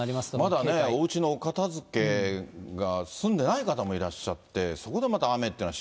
まだね、おうちの片づけが済んでない方もいらっしゃって、そこでまた雨っ